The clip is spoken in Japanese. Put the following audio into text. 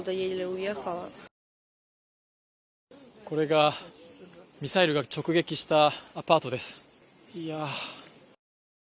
これがミサイルが直撃したアパートです。